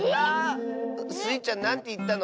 ⁉スイちゃんなんていったの？